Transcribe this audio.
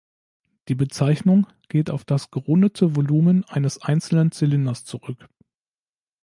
Die Bezeichnung geht auf das gerundete Volumen eines einzelnen Zylinders zurück.